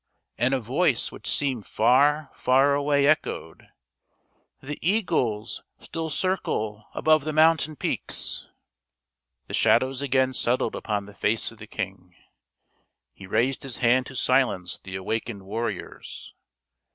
And a voice which seemed far, far away, echoed, " The eagles still circle above the mountain peaks !" The shadows again settled upon the face of the king. He raised his hand to silence the awakened warriors.